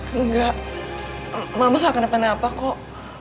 mama gak akan kenapa napa kok